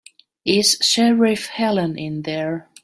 Is Sheriff Helen in there?